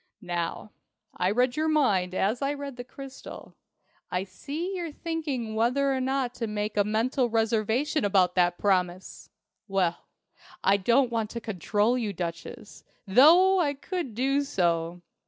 Now, I read your mind as I read the crystal. I see you're thinking whether or not to make a mental reservation about that promise! Well, I don't want to control you, Duchess, though I could do so.